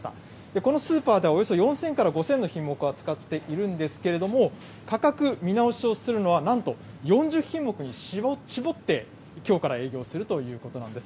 このスーパーではおよそ４０００から５０００の品目を扱っているんですけれども、価格見直しをするのは、なんと４０品目に絞って、きょうから営業するということなんです。